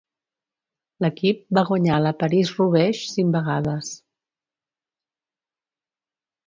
L'equip va guanyar la París-Roubaix cinc vegades.